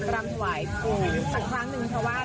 หายแบบข้อมือข้อขาทุกอย่าง